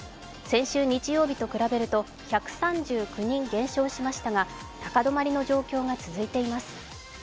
先週日曜日と比べると１３９人減少しましたが高止まりの状況が続いています。